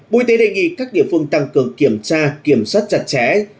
bộ y tế đề nghị các địa phương tăng cường kiểm tra kiểm soát chặt chẽ